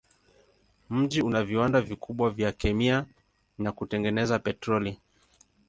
Mji una viwanda vikubwa vya kemia na kutengeneza petroli.